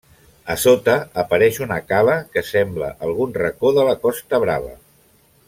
A sota, apareix una cala, que sembla algun racó de la Costa Brava.